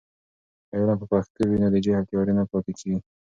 که علم په پښتو وي، نو د جهل تیارې نه پاتې کیږي.